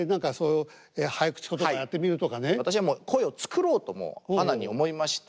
私は声を作ろうとはなに思いまして。